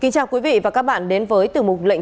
kính chào quý vị và các bạn đến với từng mục lệnh